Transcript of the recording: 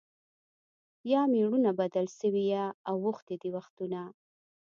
یا مېړونه بدل سوي یا اوښتي دي وختونه